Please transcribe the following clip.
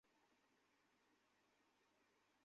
আমি প্রতিশ্রুতি রক্ষা করেছি।